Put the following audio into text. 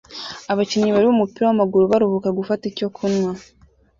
Abakinnyi babiri b'umupira w'amaguru baruhuka gufata icyo kunywa